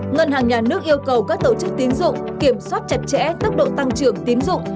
ngân hàng nhà nước yêu cầu các tổ chức tín dụng kiểm soát chặt chẽ tốc độ tăng trưởng tín dụng